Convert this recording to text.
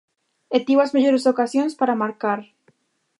E tivo as mellores ocasións para marcar.